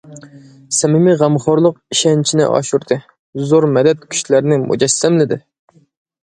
سەمىمىي غەمخورلۇق ئىشەنچنى ئاشۇردى، زور مەدەت كۈچلەرنى مۇجەسسەملىدى.